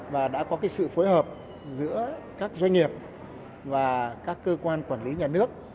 và đã có sự phối hợp giữa các doanh nghiệp và các cơ quan quản lý nhà nước